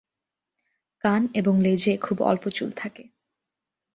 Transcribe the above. কান এবং লেজে খুব অল্প চুল থাকে।